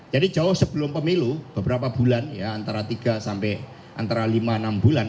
jadi jauh sebelum pemilu beberapa bulan ya antara tiga sampai antara lima enam bulan